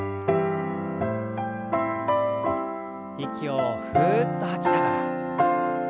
息をふっと吐きながら。